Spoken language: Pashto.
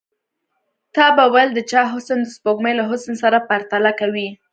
تا به ويل د چا حسن د سپوږمۍ له حسن سره پرتله کوي.